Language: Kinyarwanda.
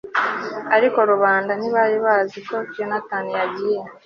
ariko rubanda ntibari bazi ko yonatani yagiye